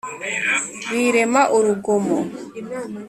birema urugomo